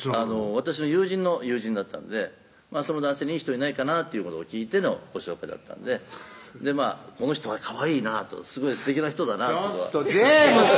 私の友人の友人だったのでその男性に「いい人いないかな」ということを聞いてのご紹介だったんでこの人はかわいいなとすごいすてきな人だなぁちょっとジェームズ！